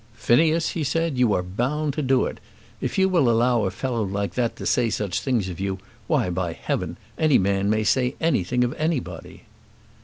"Phineas," he said, "you are bound to do it. If you will allow a fellow like that to say such things of you, why, by heaven, any man may say anything of anybody."